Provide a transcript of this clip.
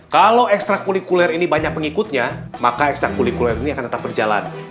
kalau ekstra kulikuler ini banyak pengikutnya maka ekstra kulikuler ini akan tetap berjalan